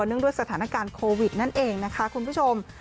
ด้วยสถานการณ์โควิดนั่นเองนะคะคุณผู้ชม